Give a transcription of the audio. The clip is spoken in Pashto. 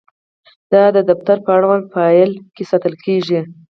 دا د دفتر په اړونده فایل کې ساتل کیږي.